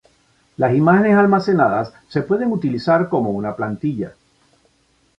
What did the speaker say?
Las imágenes almacenadas se pueden utilizar como una plantilla.